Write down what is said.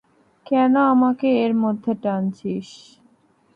কেন, আমাকে এর মধ্যে টানছিস?